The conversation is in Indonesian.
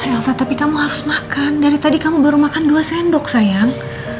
saya rasa tapi kamu harus makan dari tadi kamu baru makan dua sendok sayang